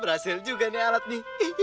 berhasil juga nih alat nih